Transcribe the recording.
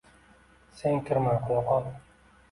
Sen kirmay qo‘ya qol.